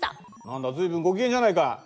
何だ随分ご機嫌じゃないか。